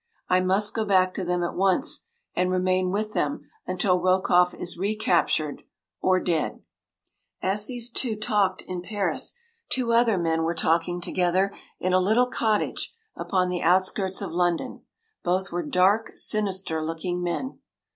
I must go back to them at once, and remain with them until Rokoff is recaptured—or dead.” As these two talked in Paris, two other men were talking together in a little cottage upon the outskirts of London. Both were dark, sinister looking men.